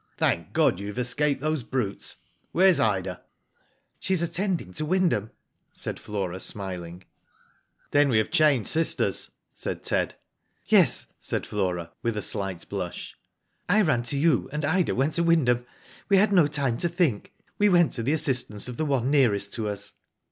Thank God you have escaped those brutes. Where is Ida?" " She IS attending to Wyndham," said Flora, smiling. Digitized byGoogk TIVO BRAVE GIRLS. 175 ''Then we have changed sisters," said Ted. " Yes," said Flora, with a slight blush ;" I ran to you, and Ida went to Wyndham. We had no time to think. We went to the assistance of the one nearest to us."